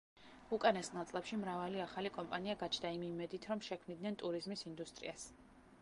უკანასკნელ წლებში მრავალი ახალი კომპანია გაჩნდა იმ იმედით, რომ შექმნიდნენ ტურიზმის ინდუსტრიას.